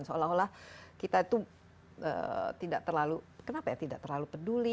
seolah olah kita itu tidak terlalu kenapa ya tidak terlalu peduli